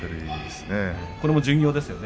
これも巡業ですよね。